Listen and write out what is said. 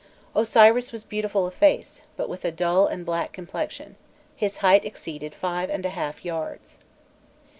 Osiris was beautiful of face, but with a dull and black complexion; his height exceeded five and a half yards.